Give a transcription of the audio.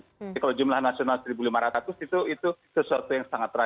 jadi kalau jumlah nasional satu lima ratus itu sesuatu yang sangat tragis